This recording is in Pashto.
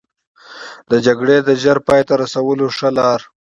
د جګړې د ژر پای ته رسولو ښه لاره.